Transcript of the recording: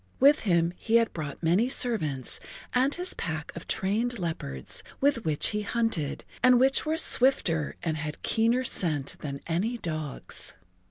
With him he had brought many servants and his pack of trained leopards, with which he hunted, and which were swifter and had keener scent than any dogs.